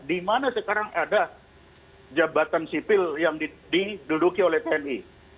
di mana sekarang ada jabatan sipil yang diduduki oleh tni